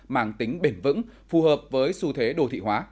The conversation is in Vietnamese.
mang tính bền vững phù hợp với xu thế đô thị hóa